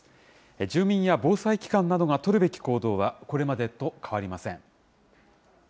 住民や防災機関などが取るべき行動はこれまでと変わりません。